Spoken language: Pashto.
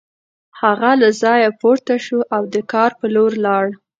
هغه له ځایه پورته شو او د کار په لور لاړ